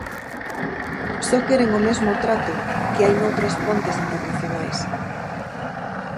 Só queren o mesmo trato que hai noutras pontes internacionais.